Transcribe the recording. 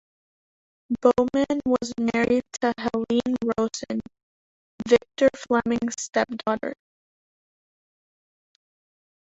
Bowman was married to Helene Rosson, Victor Fleming's step daughter.